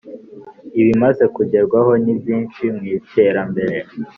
Ibimaze kugerwahoni byinshi mwiterambere.